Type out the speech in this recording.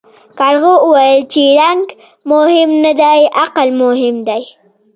کارغه وویل چې رنګ مهم نه دی عقل مهم دی.